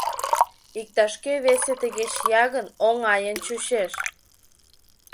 Иктаж-кӧ весе тыге чия гын, оҥайын чучеш.